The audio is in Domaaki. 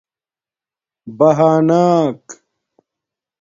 بہانآک